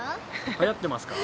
はやってますか。